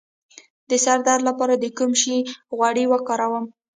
د سر درد لپاره د کوم شي غوړي وکاروم؟